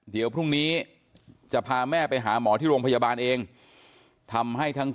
เดี๋ยวพรุ่งนี้จะพาแม่ไปหาหมอที่โรงพยาบาลเองทำให้ทั้ง